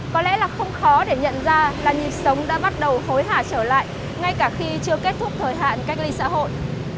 có lẽ là không khó để nhận ra là nhịp sống đã bắt đầu hối hả trở lại ngay cả khi chưa kết thúc thời hạn cách ly xã hội